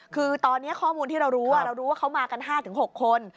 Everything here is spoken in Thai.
คือตอนนี้ข้อมูลที่เรารู้เรารู้ว่าเขามากัน๕๖คน